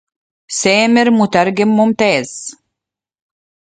سامر مترجم ممتاز.